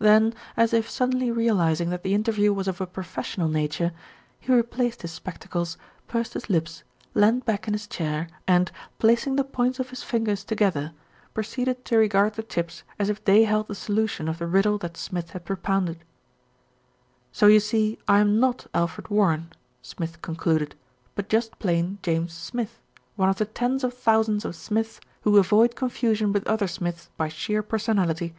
Then, as if suddenly realising that the interview was of a professional na ture, he replaced his spectacles, pursed his lips, leaned back in his chair and, placing the points of his fingers together, proceeded to regard the tips as if they held the solution of the riddle that Smith had propounded. "So you see I am not Alfred Warren," Smith con cluded; "but just plain James Smith, one of the tens of thousands of Smiths who avoid confusion with other Smiths by sheer personality."